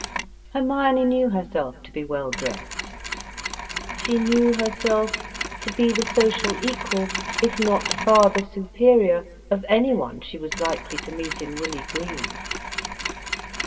Hermione knew herself to be well dressed; she knew herself to be the social equal, if not far the superior, of anyone she was likely to meet in Willey Green.